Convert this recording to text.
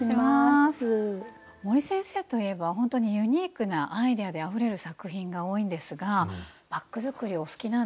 森先生といえばほんとにユニークなアイデアであふれる作品が多いんですがバッグ作りはお好きなんですか？